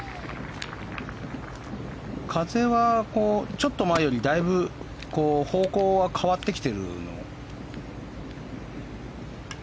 風はちょっと前よりだいぶ方向は変わってきてるの？